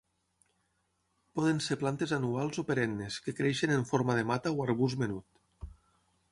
Poden ser plantes anuals o perennes que creixen en forma de mata o arbust menut.